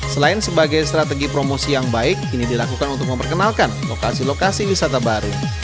selain sebagai strategi promosi yang baik ini dilakukan untuk memperkenalkan lokasi lokasi wisata baru